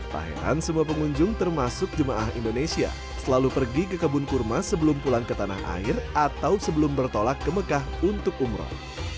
tak heran semua pengunjung termasuk jemaah indonesia selalu pergi ke kebun kurma sebelum pulang ke tanah air atau sebelum bertolak ke mekah untuk umroh